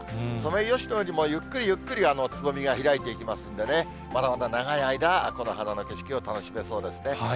ソメイヨシノよりもゆっくりゆっくりつぼみが開いていきますんでね、まだまだ長い間、この花の景色を楽しめそうですね。